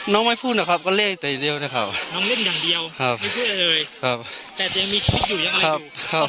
น้องหูน้องอ่อนเพียอะไรไหม